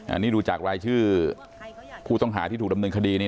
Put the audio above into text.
อันนี้ดูจากรายชื่อผู้ต้องหาที่ถูกดำเนินคดี